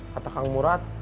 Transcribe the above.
kata kang murad